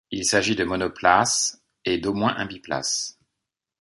Il s'agit de monoplaces et d'au moins un biplace.